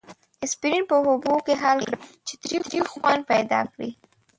اسپرین په اوبو کې حل کړئ چې تریخ خوند پیدا کړي.